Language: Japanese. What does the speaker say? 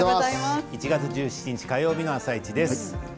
１月１７日火曜日の「あさイチ」です。